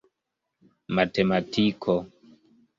matematiko